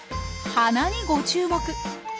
鼻にご注目。